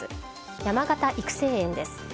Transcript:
山形育成園です。